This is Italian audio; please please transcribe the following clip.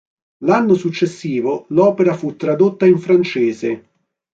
L'anno successivo l'opera fu tradotta in francese.